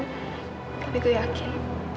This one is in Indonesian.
tapi gue yakin